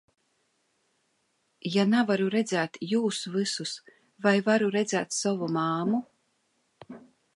Ja nevaru redzēt viņus visus, vai varu redzēt savu mammu?